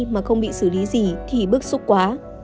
mà không bị xử lý gì thì bức xúc quá